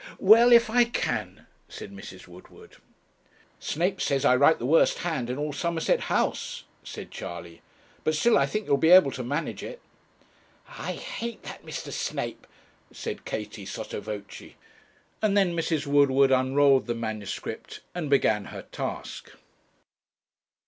'Well, if I can,' said Mrs. Woodward. 'Snape says I write the worst hand in all Somerset House,' said Charley; 'but still I think you'll be able to manage it.' 'I hate that Mr. Snape,' said Katie, sotto voce. And then Mrs. Woodward unrolled the manuscript and began her task.